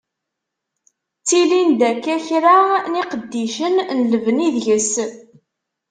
Ttilin-d akka kra n yiqeddicen n lebni deg-s.